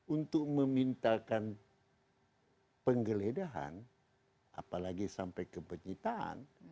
untuk memintakan penggeledahan apalagi sampai kepencitaan